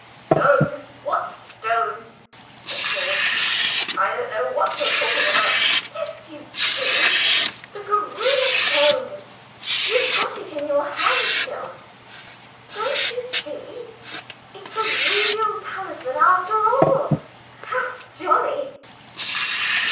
"Stone! what stone?" said Paul. "I don't know what you're talking about." "Yes, you do the Garudâ Stone! You've got it in your hand still. Don't you see? It's a real talisman after all! How jolly!"